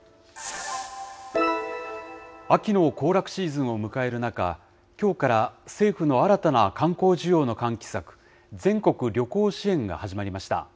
秋の行楽シーズンを迎える中、きょうから政府の新たな観光需要の喚起策、全国旅行支援が始まりました。